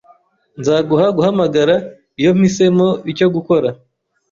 Nzaguha guhamagara iyo mpisemo icyo gukora